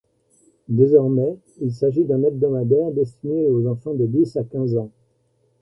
Désormais, il s'agit d'un hebdomadaire, destiné aux enfants de dix à quinze ans.